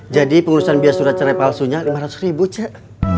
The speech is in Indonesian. jadi pengurusan biaya surat cerai palsunya lima ratus ribu cek